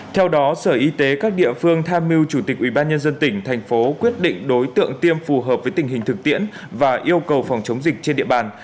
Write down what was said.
theo đó sở y tế các địa phương tham mưu chủ tịch ubnd tỉnh thành phố quyết định đối tượng tiêm phù hợp với tình hình thực tiễn và yêu cầu phòng chống dịch trên địa bàn